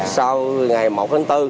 sau ngày một tháng bốn